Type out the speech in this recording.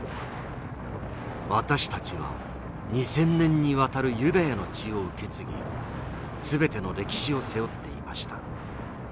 「私たちは２，０００年にわたるユダヤの血を受け継ぎ全ての歴史を背負っていました。